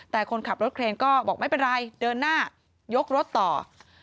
แต่คนขับรถเครนก็บอกไม่เป็นไรเดินหน้ายกรถต่อ